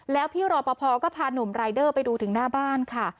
แล้วพี่รอปภก็พาหนุ่มรายเดอร์ไปดูถึงหน้าบ้านค่ะ